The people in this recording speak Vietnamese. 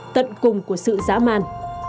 tận cùng của sự giá man